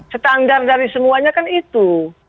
standar dari semuanya kan itu